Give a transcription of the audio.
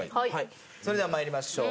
それでは参りましょう。